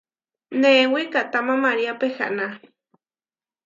Neé wikahtáma María pehána.